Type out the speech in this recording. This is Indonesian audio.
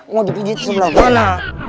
mau dipijit sebelah mana